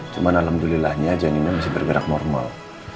cuman alhamdulillahnya janinnya masih bergerak normal